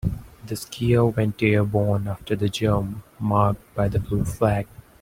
The skier went airborne after the jump marked by the blue flag.